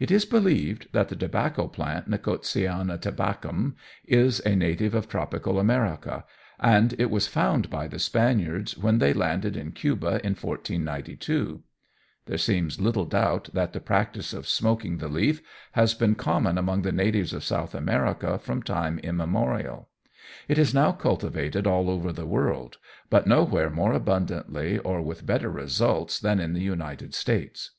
It is believed that the tobacco plant Nicotiana Tabacum is a native of tropical America, and it was found by the Spaniards when they landed in Cuba in 1492. There seems little doubt that the practice of smoking the leaf has been common among the natives of South America from time immemorial. It is now cultivated all over the world, but nowhere more abundantly or with better results than in the United States.